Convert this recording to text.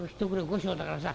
後生だからさ。